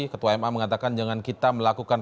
ketua ma mengatakan jangan kita melakukan